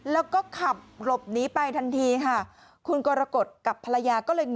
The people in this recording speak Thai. แล้วก็ขับหลบหนีไปทันทีค่ะคุณกรกฎกับภรรยาก็เลยงง